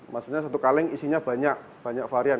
maksudnya satu kaleng isinya banyak banyak varian